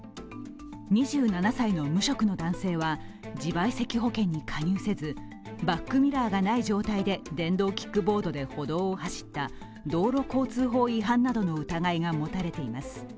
２７歳の無職の男性は自賠責保険に加入せず、バックミラーがない状態で電動キックボードで歩道を走った道路交通法違反などの疑いが持たれています。